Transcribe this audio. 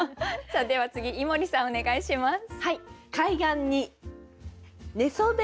では次井森さんお願いします。